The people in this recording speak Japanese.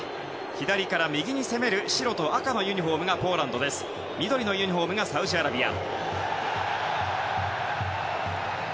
左から右に攻める白と赤のユニホームがポーランド緑のユニホームがサウジアラビア。